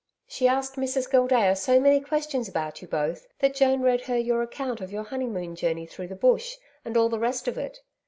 She asked Mrs Gildea so many questions about you both that Joan read her your account of your honeymoon journey through the Bush, and all the rest of it.